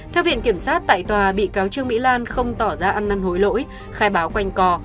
theo viện kiểm sát tại tòa bị cáo trương mỹ lan không tỏ ra ăn năn hối lỗi khai báo quanh cò